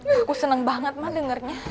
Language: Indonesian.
aku senang banget mah dengernya